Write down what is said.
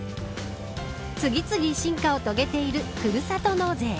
次々進化を遂げているふるさと納税。